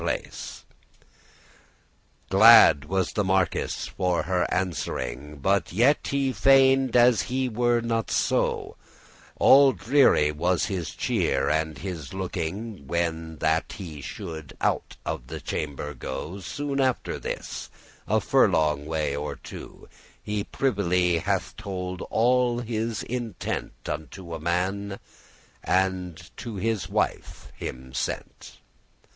*spirit, heart Glad was the marquis for her answering, But yet he feigned as he were not so; All dreary was his cheer and his looking When that he should out of the chamber go. Soon after this, a furlong way or two,<8> He privily hath told all his intent Unto a man, and to his wife him sent.